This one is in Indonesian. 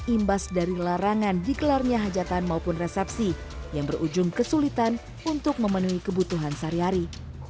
imbas dari larangan dikelarnya hajatan maupun resepsi yang berujung kesulitan untuk memenuhi kebutuhan sehari hari